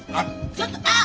ちょっとあっ！